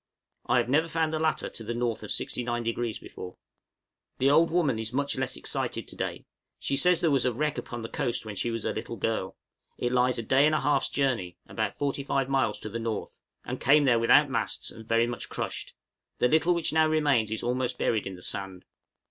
I have never found the latter to the north of 69° before. The old woman is much less excited to day; she says there was a wreck upon the coast when she was a little girl; it lies a day and a half's journey, about 45 miles, to the north; and came there without masts and very much crushed; the little which now remains is almost buried in the sand.